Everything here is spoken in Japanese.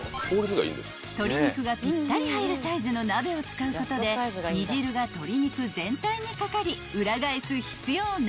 ［鶏肉がぴったり入るサイズの鍋を使うことで煮汁が鶏肉全体に掛かり裏返す必要なし］